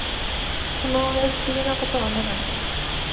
その上不思議な事は眼がない